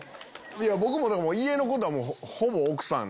僕も家のことはほぼ奥さん。